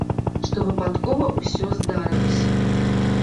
Што выпадкова усё здарылася.